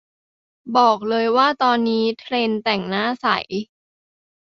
บอกเลยว่าตอนนี้เทรนด์แต่งหน้าใส